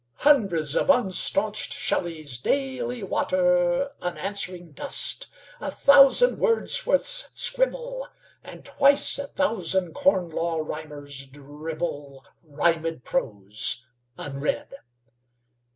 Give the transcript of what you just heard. Hundreds of unstaunched Shelleys daily water Unanswering dust; a thousand Wordsworths scribble; And twice a thousand Corn Law Rhymers dribble Rhymed prose, unread.